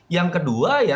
yang kedua ya